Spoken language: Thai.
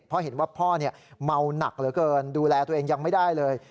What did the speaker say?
เพราะเห็นว่าพ่อเมาหนักเหลือเกินดูแลตัวเองยังไม่ได้เลย